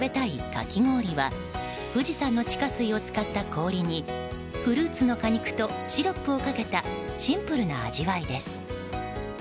かき氷は富士山の地下水を使った氷にフルーツの果肉とシロップをかけたシンプルな味わいです。